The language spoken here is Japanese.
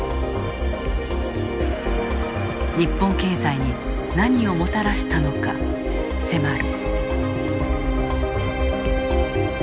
日本経済に何をもたらしたのか迫る。